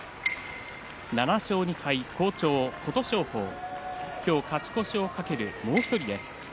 ７勝２敗、好調、琴勝峰今日勝ち越しを懸けるもう１人です。